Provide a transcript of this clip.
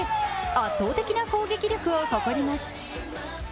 圧倒的な攻撃力を誇ります。